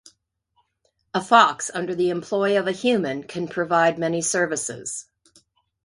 A fox under the employ of a human can provide many services.